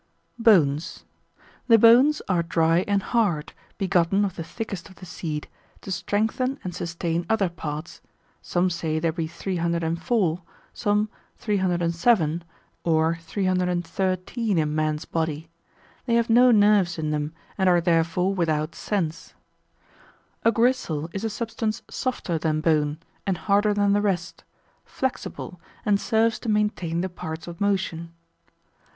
Bones.] The bones are dry and hard, begotten of the thickest of the seed, to strengthen and sustain other parts: some say there be 304, some 307, or 313 in man's body. They have no nerves in them, and are therefore without sense. A gristle is a substance softer than bone, and harder than the rest, flexible, and serves to maintain the parts of motion.